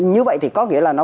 như vậy thì có nghĩa là